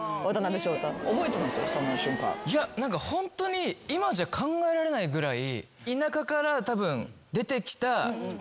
いや何かホントに今じゃ考えられないぐらい。